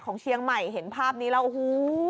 ของเชียงใหม่เห็นภาพนี้แล้วนะ